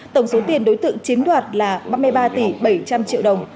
tổng số tiền đối tượng chiếm đoạt là ba mươi ba tỷ bảy trăm linh triệu đồng